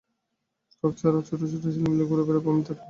ফ্রক-পরা ছোট ছোট ছেলেমেয়ে ঘুরে বেড়াবে, আমি তাদের পড়াব, গান শেখাব।